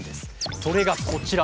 それがこちら。